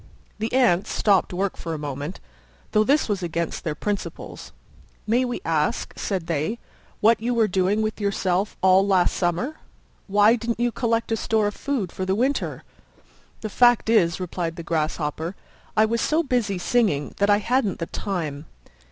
The Ants stopped work for a moment, though this was against their principles. "May we ask," said they, "what you were doing with yourself all last summer? Why didn't you collect a store of food for the winter?" "The fact is," replied the Grasshopper, "I was so busy singing that I hadn't the time."